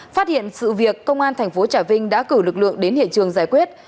phát hiện sự việc công an thành phố trà vinh đã cử lực lượng đến hiện trường giải quyết